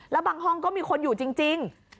แล้วบางห้องก็มีคนอยู่จริง